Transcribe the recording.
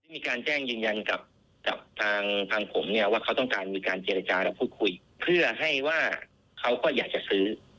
มีการแจ้งยืนยันกับทางผมเนี่ยว่าเขาต้องการมีการเจรจาและพูดคุยเพื่อให้ว่าเขาก็อยากจะซื้อ